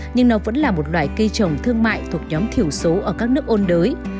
nhưng nó vẫn là một loại cây trồng thương mại thuộc nhóm thiểu số ở các nước ôn đới